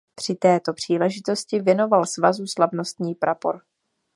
Při této příležitosti věnoval Svazu slavnostní prapor.